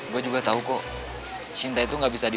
lo juga gak usah ngerasa gak enak sama gue